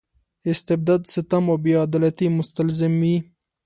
استبداد ستم او بې عدالتۍ مستلزم وي.